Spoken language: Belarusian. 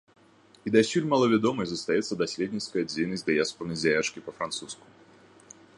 І дасюль малавядомай застаецца даследніцкая дзейнасць дыяспарнай дзяячкі па-французску.